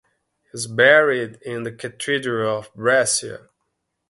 He is buried in the Cathedral of Brescia.